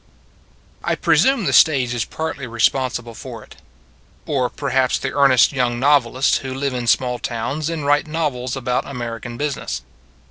1 PRESUME the stage is partly re sponsible for it. Or perhaps the ear nest young novelists who live in small towns and write novels about American business.